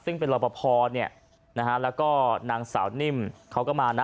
ซึ่งเป็นรอปภเนี่ยนะฮะแล้วก็นางสาวนิ่มเขาก็มานะ